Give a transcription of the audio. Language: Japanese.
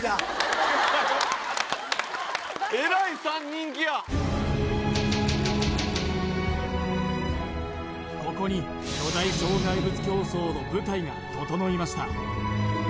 えらい３人気やここに巨大障害物競走の舞台が整いました